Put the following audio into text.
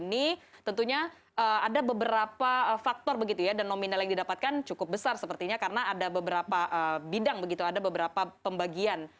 ini tentunya ada beberapa faktor begitu ya dan nominal yang didapatkan cukup besar sepertinya karena ada beberapa bidang begitu ada beberapa pembagian